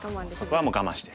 そこはもう我慢して。